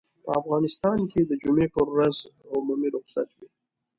په افغانستان کې د جمعې پر ورځ عمومي رخصت وي.